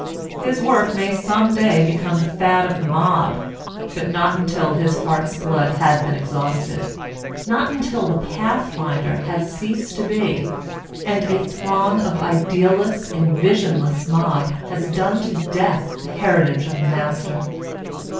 His work may some day become the fad of the mob, but not until his heart's blood had been exhausted; not until the pathfinder has ceased to be, and a throng of an idealless and visionless mob has done to death the heritage of the master.